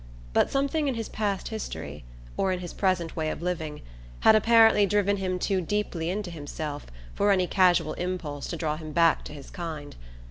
But something in his past history, or in his present way of living, had apparently driven him too deeply into himself for any casual impulse to draw him back to his kind.